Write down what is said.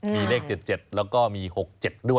มีเลข๗๗แล้วก็มี๖๗ด้วย